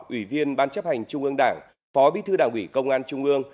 ủy viên ban chấp hành trung ương đảng phó bí thư đảng ủy công an trung ương